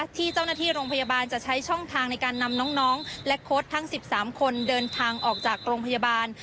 ที่เจ้าหน้าที่โรงพยาบาลจะใช้ช่องทางในการนำน้องและโค้ดทั้ง๑๓คนเดินทางออกจากโรงพยาบาล